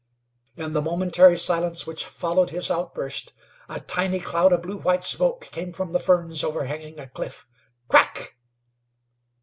In the momentary silence which followed his outburst, a tiny cloud of blue white smoke came from the ferns overhanging a cliff. Crack!